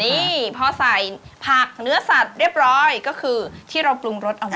นี่พอใส่ผักเนื้อสัตว์เรียบร้อยก็คือที่เราปรุงรสเอาไว้